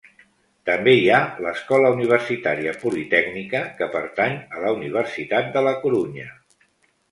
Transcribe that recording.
També hi ha l'Escola Universitària Politècnica, que pertany a la Universitat de la Corunya.